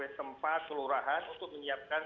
pemerintah selurahan untuk menyiapkan